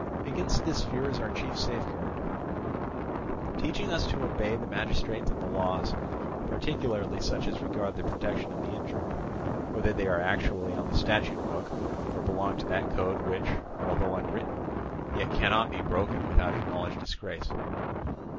Against this fear is our chief safeguard, teaching us to obey the magistrates and the laws, particularly such as regard the protection of the injured, whether they are actually on the statute book, or belong to that code which, although unwritten, yet cannot be broken without acknowledged disgrace.